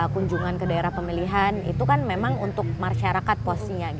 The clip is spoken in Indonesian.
kunjungan ke daerah pemilihan itu kan memang untuk masyarakat posnya